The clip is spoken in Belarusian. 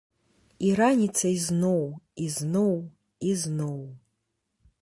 І раніцай зноў, і зноў, і зноў.